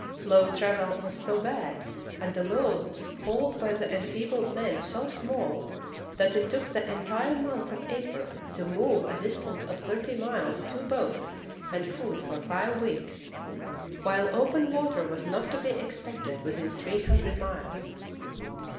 Floe travel was so bad, and the loads hauled by the enfeebled men so small, that it took the entire month of April to move a distance of thirty miles two boats and food for five weeks, while open v/ater was not to be expected within three hundred miles.